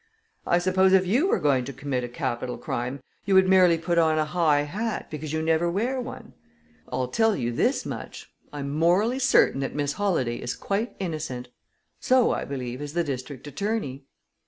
I suppose if you were going to commit a capital crime, you would merely put on a high hat, because you never wear one! I'll tell you this much: I'm morally certain that Miss Holladay is quite innocent. So, I believe, is the district attorney."